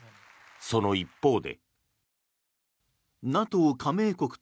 その一方で。